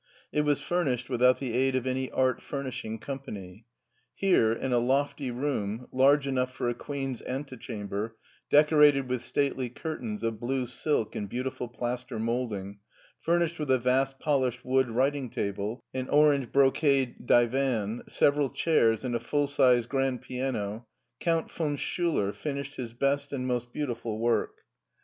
It was furnished without the aid of any art furnishing company. Here, in a lofty room, large enough for a queen's antechamber, deco rated with stately curtains of blue silk and beautiful plaster moulding, furnished with a vast polished wood writing table, an prange brocade divan, several chairs, and a full sized grand piano, Count von Schiiler fin ished his best and most beautiful work.